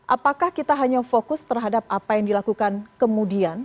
apakah kita hanya fokus terhadap apa yang dilakukan kemudian